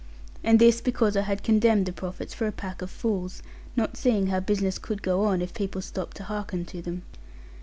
And this because I had condemned the prophets for a pack of fools; not seeing how business could go on, if people stopped to hearken to them.